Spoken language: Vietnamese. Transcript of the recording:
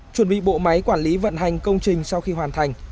chuẩn bị bộ máy quản lý vận hành công trình sau khi hoàn thành